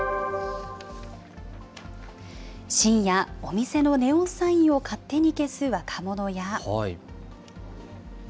深夜、お店のネオンサインを勝手に消す若者や。